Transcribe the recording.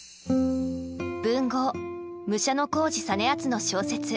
文豪武者小路実篤の小説